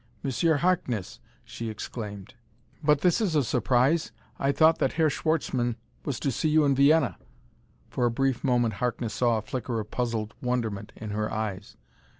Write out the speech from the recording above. "Monsieur Harkness!" she exclaimed. "But this is a surprise. I thought that Herr Schwartzmann was to see you in Vienna!" For a brief moment Harkness saw a flicker of puzzled wonderment in her eyes.